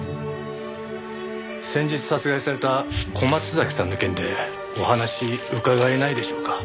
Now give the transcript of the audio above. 先日殺害された小松崎さんの件でお話伺えないでしょうか？